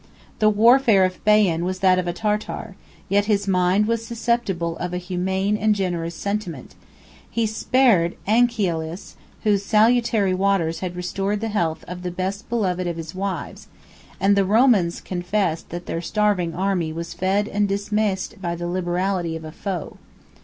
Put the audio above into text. The warfare of Baian was that of a Tartar; yet his mind was susceptible of a humane and generous sentiment: he spared Anchialus, whose salutary waters had restored the health of the best beloved of his wives; and the Romans confessed, that their starving army was fed and dismissed by the liberality of a foe.